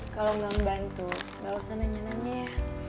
kalau gak ngebantu gak usah nanya nanya ya